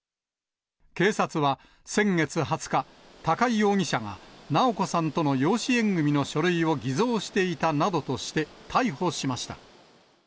警察は、先月２０日、高井容疑者が直子さんとの養子縁組みの書類を偽造していたなどとして逮捕しました。